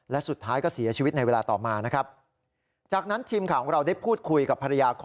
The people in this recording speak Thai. และสุดท้ายก็เสียชีวิตในเวลาต่อมานะครับ